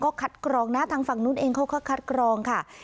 ก็คัดกรองนะทางฝั่งนู้นเองเขาก็คัดกรองค่ะ